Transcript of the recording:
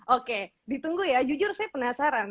oke ditunggu ya jujur saya penasaran